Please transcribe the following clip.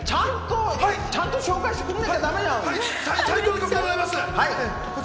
ちゃんと紹介してくれなきゃだめじゃない！